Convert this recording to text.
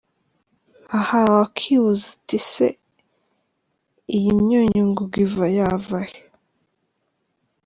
Aha wakwibaza uti ese iyi myunyungugu yava he?.